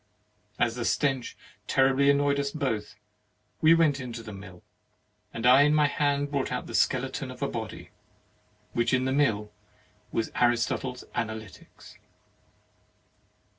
As the stench terribly annoyed us both, we went into the mill; and I in my hand brought the skeleton of a body, which in the mill was Aristotle's Analytics.